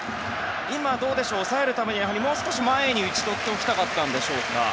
抑えるためにはもう少し前に打ち取っておきたかったんでしょうか。